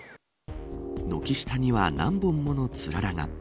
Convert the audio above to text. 軒下には何本ものつららが。